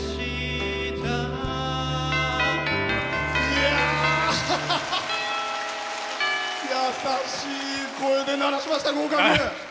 やさしい声で鳴らしました、合格。